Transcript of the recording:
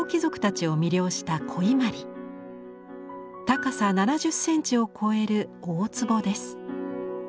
高さ７０センチを超える大つぼです。